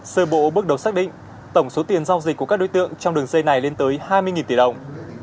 sơ bộ bước đầu xác định tổng số tiền giao dịch của các đối tượng trong đường dây này lên tới hai mươi tỷ đồng